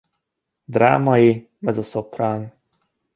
Drámai mezzoszoprán.